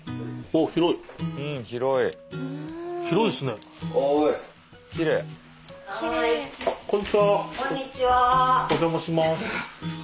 お邪魔します。